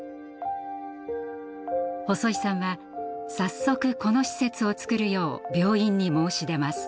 細井さんは早速この施設をつくるよう病院に申し出ます。